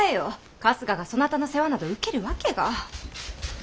春日がそなたの世話など受けるわけが。